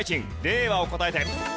令和を答えて！